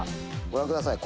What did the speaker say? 「ご覧ください」